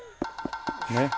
ねっ。